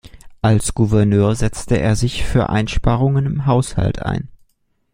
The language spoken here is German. Als Gouverneur setzte er sich für Einsparungen im Haushalt ein.